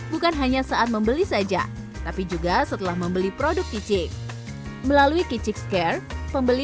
bukan hanya saat membeli saja tapi juga setelah membeli produk kicix melalui kicixcare pembeli